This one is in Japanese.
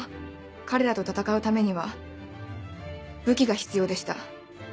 彼らと闘うためには武器が必要でした。